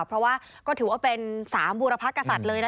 เพราะว่าก็ถือว่าเป็น๓บูรพกษัตริย์เลยนะ